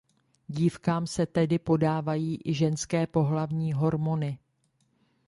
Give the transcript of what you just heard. Dívkám se tedy podávají i ženské pohlavní hormony.